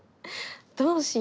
どうしよう。